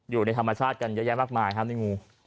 อยู่ในธรรมชาติกันเยอะแยะมากมายครับนี่งู